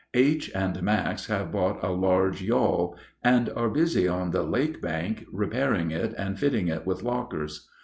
H. and Max have bought a large yawl and are busy on the lake bank repairing it and fitting it with lockers.